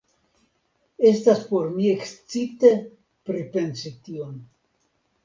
Estas por mi ekscite pripensi tion.